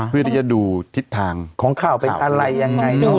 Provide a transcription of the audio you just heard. เพื่อที่จะดูทิศทางของข่าวเป็นอะไรยังไง